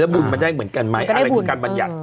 บุญมันได้เหมือนกันไหมอะไรคือการบรรยัติ